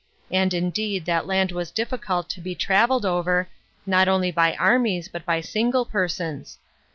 And indeed that land was difficult to be traveled over, not only by armies, but by single persons.